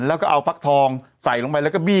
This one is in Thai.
แล้วก็เอาฟักทองใส่ลงไปแล้วก็บี้